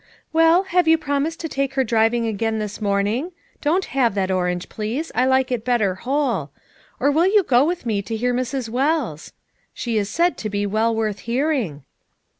"Well, have you promised to take her driv ing again this morning — don't halve that orange, please, I like it better whole — or will you go with me to hear Mrs. Wells? She is said to be well worth hearing."